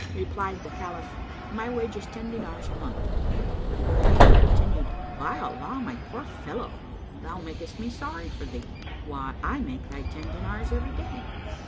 Replied the Caliph, "My wage is ten dinars a month," and Khalifah continued, "By Allah, my poor fellow, thou makest me sorry for thee! Why, I make thy ten dinars every day!